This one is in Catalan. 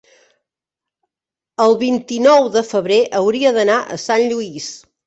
El vint-i-nou de febrer hauria d'anar a Sant Lluís.